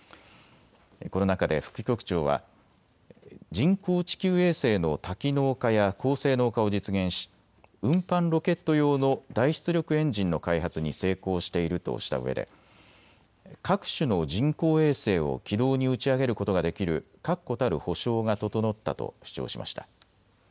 この中で副局長は人工地球衛星の多機能化や高性能化を実現し運搬ロケット用の大出力エンジンの開発に成功しているとしたうえで各種の人工衛星を軌道に打ち上げることができる確固たる保証が整ったと主張しました。